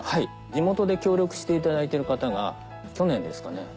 地元で協力していただいてる方が去年ですかね